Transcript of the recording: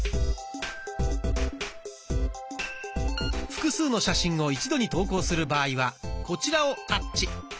複数の写真を一度に投稿する場合はこちらをタッチ。